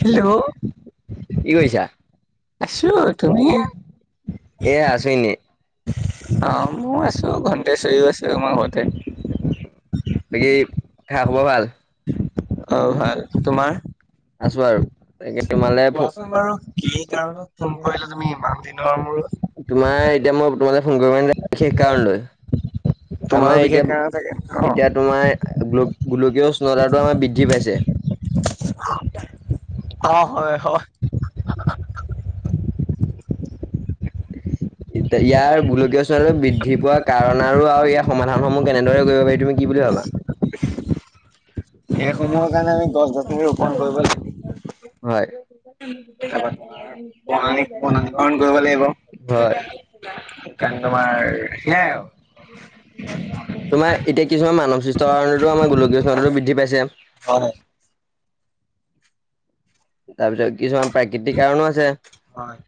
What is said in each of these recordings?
Hello কৰিছা আছোঁ তুমি, এ আছোঁ এনেই আহ মই আছো ঘৰতে [unintelligible] আছো আমাৰ ঘৰতে বাকী খা খবৰ ভাল অ ভাল তোমাৰ আছো আৰু, [unintelligible] কোৱাচোন বাৰু কি কাৰণত ফোন কৰিলা তুমি ইমান দিনৰ মূৰত তোমাৰ এতিয়া মই তোমালতে ফোন [unintelligible] বিশেষ কাৰণ লৈ আমাৰ তোমাৰো বিশেষ এতিয়া কাৰণে থাকে এতিয়া তোমাৰ গোল গোলকীয় উষ্ণতাটো আমাৰ বৃদ্ধি পাইছে অ হয় হয় এয়া ইয়াৰ গোলকীয় উষ্ণতা বৃদ্ধি পোৱা কাৰণ আৰু আও ইয়াৰ সমা ধানসমূহ কেনেদৰে কৰিব পাৰি তুমি কি বুলি ভাবা সেই সময়ৰ কাৰণে আমি গছ গছনি ৰোপণ কৰিব লাগিব হয় ন তাৰপৰা তোমাৰ বনানি বনানীকৰণ গ্ৰহণ কৰিব লাগিব হয় সেইকাৰণে তোমাৰ সেয়াই আৰু তোমাৰ এতিয়া কিছুমান মানৱ সৃষ্টৰ কাৰণেটো আমাৰ গোলকীয় উষ্ণতা বৃদ্ধি পাইছে হয় তাৰপিছত কিছুমান প্ৰাকৃতিক কাৰণো আছে হয়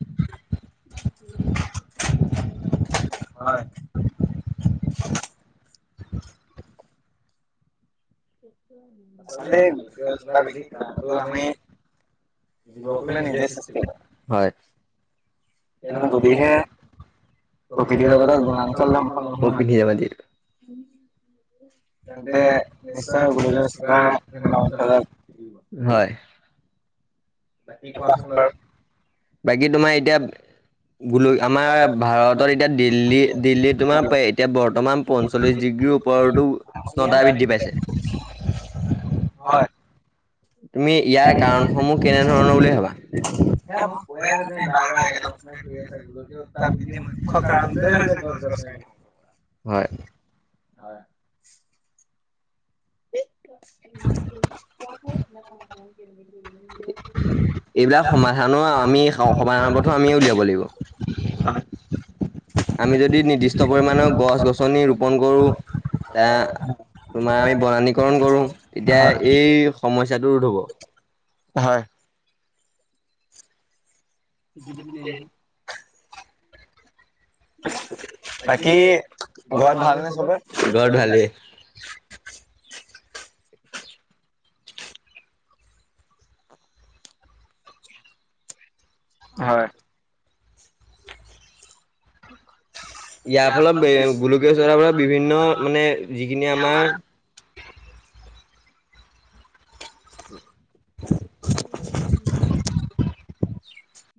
হয় আচলতে গোলকীয় উষ্ণতা [unintelligible] বেছি বৃদ্ধি কামটো কাৰণটো আমি গোলকলে নিজে সৃষ্টি কৰা হয় [unintelligible] যদিহে প্ৰকৃতিৰ প্ৰকৃতি জগতত বনাঞ্চল ধ্বংস নহয় বনাঞ্চল [unintelligible] [unintelligible] তেন্তে নিশ্চয় গোলকীয় উষ্ণতা নৱমণ্ডলত হয়, বাকী কোৱাচোন বাৰু। বাকী তোমাৰ এতিয়া বোলো আমাৰ ভাৰতত এতিয়া দিল্লী, দিল্লী তোমাৰ পে এতিয়া বৰ্তমান পঞ্চলিছ ডিগ্ৰীৰ ওপৰতো উষ্ণতা [inaudible] হয়, তুমি ইয়াৰ কাৰণসমূহ কেনেধৰণৰ বুলি ভাবা? এতিয়া মই কৈয়ে আছোঁ, আছো যে তুমি বাৰে বাৰে-বাৰে বাৰে একেটা প্ৰশ্নকে বস্তুকে কৰি আছে আছা, গোলকীয় উষ্ণতা বৃদ্ধি মুখ্য কাৰণটোৱে হৈছে উত্তাপ গছ বৃদ্ধি গছনি হয়। [inaudible] এইবিলাক সমাধানো আমি স-সমাধানৰ পথো আমিয়ে উলিয়াব লাগিব। [inaudible] আমি যদি নিৰ্দিষ্ট পৰিমাণৰ গছ-গছনি ৰোপন কৰোঁ। এয়া তোমাৰ মি বনানীকৰণ কৰোঁ, তেতিয়া এই সমস্যাটো ৰোধ হ'ব। হয়। [inaudible] বাকী ঘৰত ভালনে চবৰে? ঘৰ ঢালি হয়। ইয়াৰ ফলত মে গোলকীয় [unintelligible] বিভিন্ন মানে যিখিনি আমাৰ [inaudible] [inaudible]